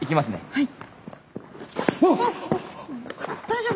はい！